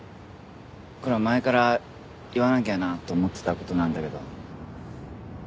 これは前から言わなきゃなと思ってた事なんだけど。